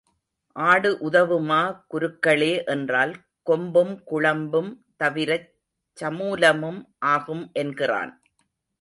ஆடு உதவுமா குருக்களே என்றால், கொம்பும் குளம்பும் தவிரச் சமூலமும் ஆகும் என்கிறான்.